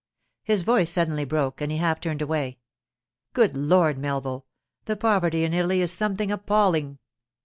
——' His voice suddenly broke, and he half turned away. 'Good Lord, Melville, the poverty in Italy is something appalling!